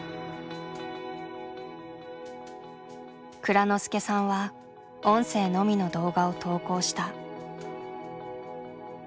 蔵之介さんは音声のみの動画を投稿した。